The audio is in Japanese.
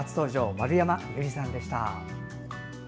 丸山裕理さんでした。